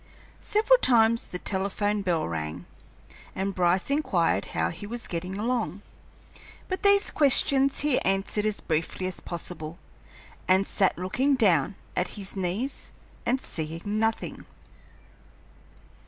Several times the telephone bell rang, and Bryce inquired how he was getting along; but these questions he answered as briefly as possible, and sat looking down at his knees and seeing nothing.